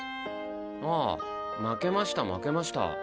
ああ負けました負けました。